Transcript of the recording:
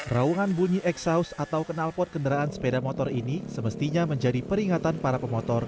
rawungan bunyi exhaust atau kenalpot kenderaan sepeda motor ini semestinya menjadi peringatan para pemotor